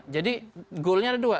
jadi goalnya ada dua